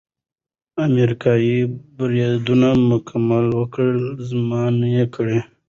امریکايي بریدونه ملکي وګړي زیانمن کړل.